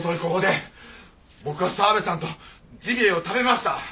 ここで僕は澤部さんとジビエを食べました！